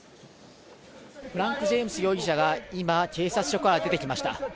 フランク・ジェームズ容疑者が今、警察署から出てきました。